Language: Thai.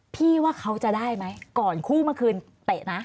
พี่ว่าเขาจะได้ไหมก่อนคู่เมื่อคืนเตะนะ